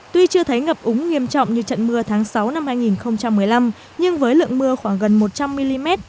tuy chưa thấy ngập úng nghiêm trọng như trận mưa tháng sáu năm hai nghìn một mươi năm nhưng với lượng mưa khoảng gần một trăm linh mm